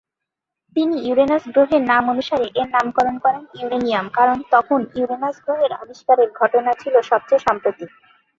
তিনি ইউরেনাস গ্রহের নামানুসারে এর নামকরণ করেন ইউরেনিয়াম কারণ তখন ইউরেনাস গ্রহের আবিষ্কারের ঘটনা ছিল সবচেয়ে সাম্প্রতিক।